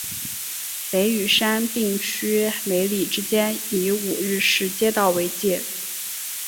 北与杉并区梅里之间以五日市街道为界。